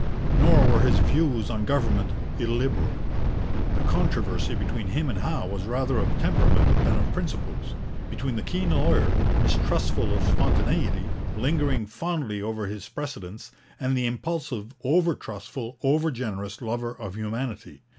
Nor were his views on government illiberal. The controversy between him and Howe was rather of temperament than of principles, between the keen lawyer, mistrustful of spontaneity, lingering fondly over his precedents, and the impulsive, over trustful, over generous lover of humanity.